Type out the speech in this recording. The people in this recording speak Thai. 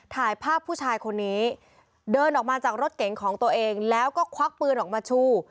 ถ่ายภาพผู้ชายคนนี้เดินออกมาจากรถเก๋งของตัวเองแล้วก็ควักปืนออกมาชู